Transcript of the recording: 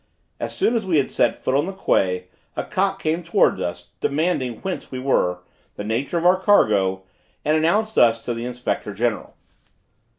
As soon as we had set foot on the quay, a cock came towards us, demanded whence we were, the nature of our cargo, and announced us to the inspector general.